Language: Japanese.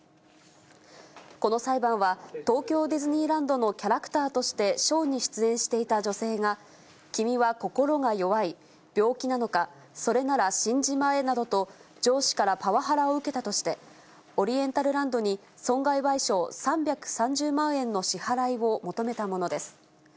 この裁判は、東京ディズニーランドのキャラクターとして、ショーに出演していた女性が、君は心が弱い、病気なのか、それなら死んじまえなどと、上司からパワハラを受けたとして、オリエンタルランドに損害賠償３３０万円の支払いを求めたものです。